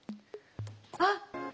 あっ。